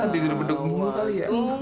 atatidu berdeksheik tanto